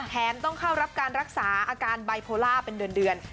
แถมต้องเข้ารับการรักษาอาการบิโปรลาร์เป็นเดือน